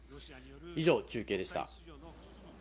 以上、中継でした。